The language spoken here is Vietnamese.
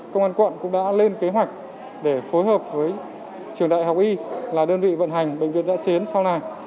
công an quận cũng đã lên kế hoạch để phối hợp với trường đại học y là đơn vị vận hành bệnh viện giã chiến sau này